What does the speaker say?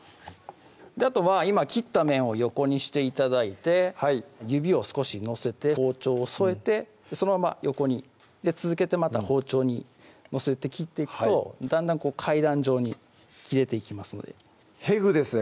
あとは今切った面を横にして頂いて指を少し乗せて包丁を添えてそのまま横に続けてまた包丁に乗せて切っていくとだんだんこう階段状に切れていきますのでへぐですね